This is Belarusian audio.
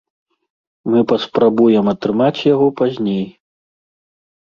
Мы паспрабуем атрымаць яго пазней.